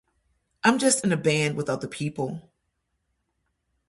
I'm just in a band with other people.